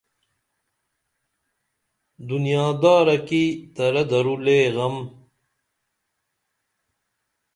دنیادارہ کی ترہ دور لے غم